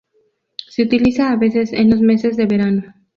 Se utiliza a veces en los meses de verano.